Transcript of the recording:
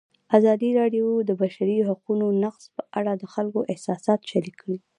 ازادي راډیو د د بشري حقونو نقض په اړه د خلکو احساسات شریک کړي.